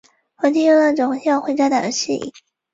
我弟又闹着要回家打游戏。